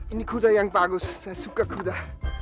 ini kuda yang bagus saya suka kuda